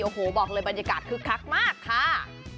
โอ้โหบอกเลยบรรยากาศคึกคักมากค่ะ